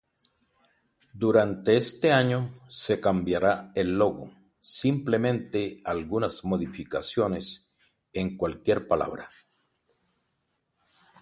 Durante este año se cambiará el logo, simplemente algunas modificaciones en cualquier palabra.